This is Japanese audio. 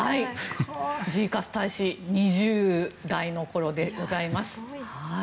ジーカス大使２０代の頃でございます。